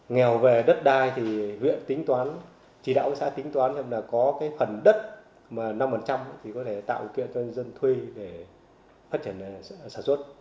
nghèo về đất đai thì huyện tính toán chỉ đạo xã tính toán xem là có cái phần đất mà năm thì có thể tạo kiện cho nhân dân thuê để phát triển sản xuất